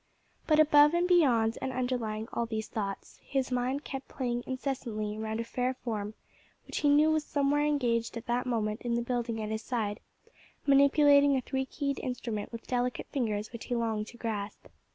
But above and beyond and underlying all these thoughts, his mind kept playing incessantly round a fair form which he knew was somewhere engaged at that moment in the building at his side, manipulating a three keyed instrument with delicate fingers which he longed to grasp.